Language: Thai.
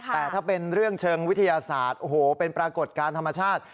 แต่ถ้าเป็นเรื่องเชิงวิทยาศาสตร์โอ้โหเป็นปรากฏการณ์ธรรมชาติ